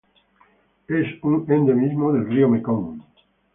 Es un endemismo del río Mekong.